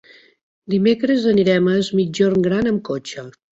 Dimecres anirem a Es Migjorn Gran amb cotxe.